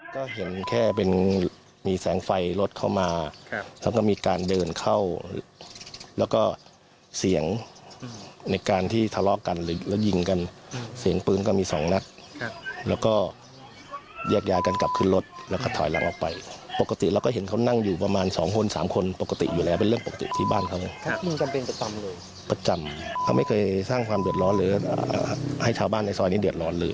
ก็เห็นแค่เป็นมีแสงไฟรถเข้ามาแล้วก็มีการเดินเข้าแล้วก็เสียงในการที่ทะเลาะกันหรือแล้วยิงกันเสียงปืนก็มีสองนัดแล้วก็แยกย้ายกันกลับขึ้นรถแล้วก็ถอยหลังออกไปปกติเราก็เห็นเขานั่งอยู่ประมาณสองคนสามคนปกติอยู่แล้วเป็นเรื่องปกติที่บ้านเขาเลยประจำเขาไม่เคยสร้างความเดือดร้อนหรือให้ชาวบ้านในซอยนี้เดือดร้อนเลย